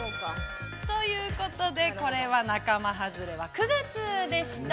◆ということで、これは仲間外れは９月でした。